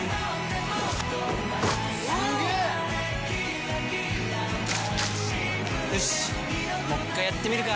すげー‼よしっもう一回やってみるか！